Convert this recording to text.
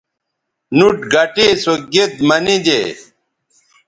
نُوٹ گٹے سو گید منیدے